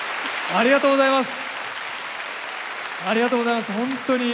ありがとうございます。